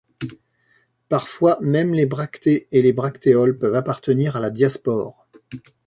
Parfois, même les bractées et les bractéoles peuvent appartenir à la diaspore.